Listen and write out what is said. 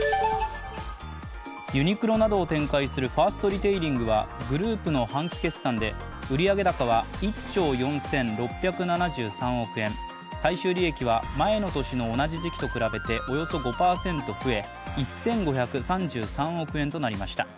ユニクロなどを展開するファーストリテイリングはグループの半期決算で売上高は１兆４６７３億円、最終利益は前の年の同じ時期と比べておよそ５％増え１５３３億円となりました。